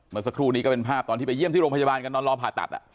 เมื่อสักครู่นี้ก็เป็นภาพตอนที่ไปเยี่ยมที่โรงพยาบาลกันนอนรอผ่าตัด